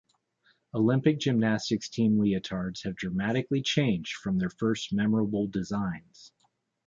Olympic gymnastics team leotards have dramatically changed from their first memorable designs.